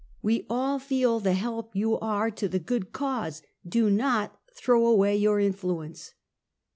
"We all feel the help you are to the good cause. Do not throw away your influence!